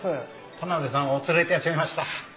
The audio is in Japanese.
田邊さんお連れいたしました。